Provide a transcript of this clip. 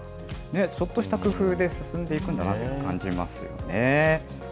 ちょっとした工夫で進んでいくんだなと感じますよね。